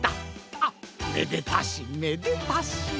あめでたしめでたし！